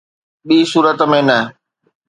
”ٻي صورت ۾ نه.